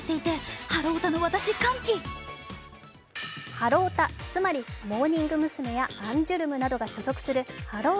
ハロヲタつまりモーニング娘やアンジュルムなどが所属するハロー！